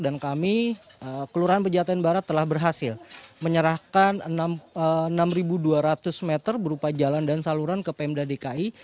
dan kami kelurahan pejataan barat telah berhasil menyerahkan enam dua ratus meter berupa jalan dan saluran ke pemda dki